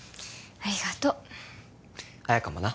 ありがとう綾香もな